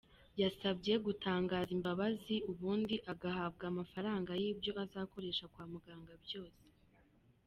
Yasabye gutangaza imbabazi ubundi agahabwa amafaranga y’ibyo azakoresha kwa muganga byose.